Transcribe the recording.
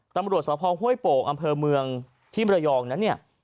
ตำรวจสภห้วยโป่งอำเภอเมืองที่มรยองนั้นเนี่ย